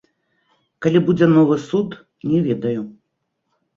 Калі будзе новы суд, не ведаю.